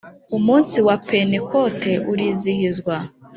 umunsi wa Pentekote urizihizwa